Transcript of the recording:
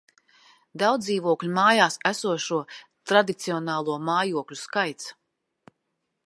Daudzdzīvokļu mājās esošo tradicionālo mājokļu skaits